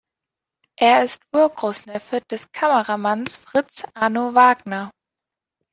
Er ist Urgroßneffe des Kameramanns Fritz Arno Wagner.